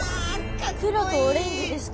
黒とオレンジですか？